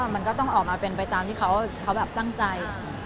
มันก็ต้องออกมาเป็นไปตามที่เขาแบบตั้งใจ